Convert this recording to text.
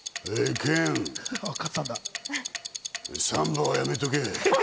健、サンバはやめとけ！